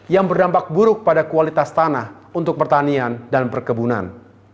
yang berdampak buruk pada kualitas tanah untuk pertanian dan perkebunan